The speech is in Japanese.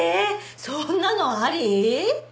そんなのあり！？